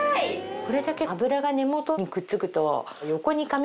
これだけ脂が根元にくっつくと。